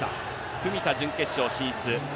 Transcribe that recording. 文田、準決勝進出。